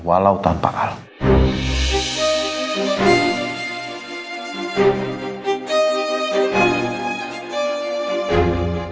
walau tanpa alam